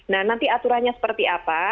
nah nanti aturannya seperti apa